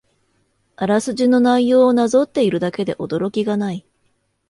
あらすじの内容をなぞっているだけで驚きがない